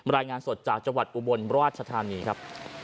รายงานสดจากจังหวัดอุบลราชธานีครับ